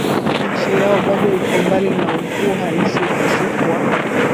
nchi yao bado iko mbali na ukuu halisi Ukosefu wa